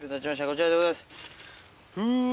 こちらでございます。